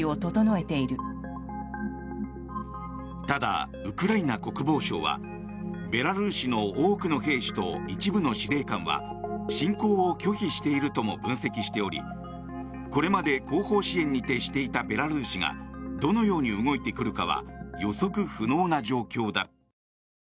ただ、ウクライナ国防省はベラルーシの多くの兵士と一部の司令官は侵攻を拒否しているとも分析しておりこれまで後方支援に徹していたベラルーシがどのように動いてくるかは予測不能な状況だ。